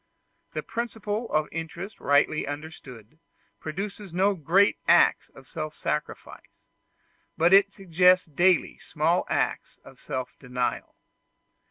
The principle of interest rightly understood produces no great acts of self sacrifice, but it suggests daily small acts of self denial.